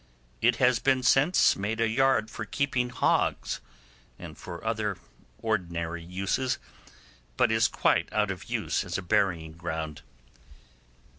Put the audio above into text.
It has been since made a yard for keeping hogs, and for other ordinary uses, but is quite out of use as a burying ground.